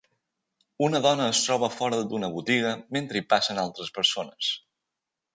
Una dona es troba fora d'una botiga mentre hi passen altres persones.